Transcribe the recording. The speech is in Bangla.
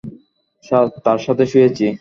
তার সাথে শুয়েছি!